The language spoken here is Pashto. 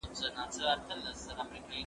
زه پرون ليکلي پاڼي ترتيب کړل؟